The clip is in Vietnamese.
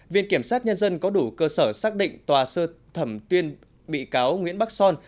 viện kiểm sát nhân dân có đủ cơ sở xác định tòa sơ thẩm tuyên bị cáo nguyễn bắc son